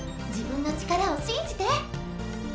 自分の力をしんじて！